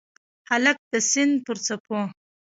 هلک د سیند پر څپو